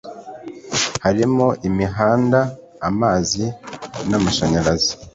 harimo imihanda, amazi, n'amashayarazi